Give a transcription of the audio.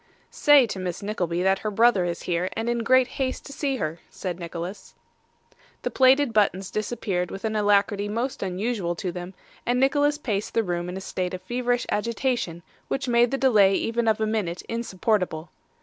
'Say to Miss Nickleby that her brother is here, and in great haste to see her,' said Nicholas. The plated buttons disappeared with an alacrity most unusual to them, and Nicholas paced the room in a state of feverish agitation which made the delay even of a minute insupportable.